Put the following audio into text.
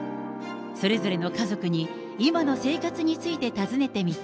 それぞれの家族に、今の生活について尋ねてみた。